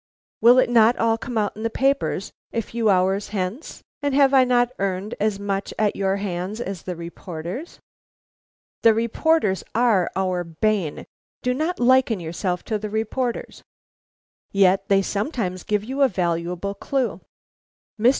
Will it not all come out in the papers a few hours hence, and have I not earned as much at your hands as the reporters?" "The reporters are our bane. Do not liken yourself to the reporters." "Yet they sometimes give you a valuable clue." Mr.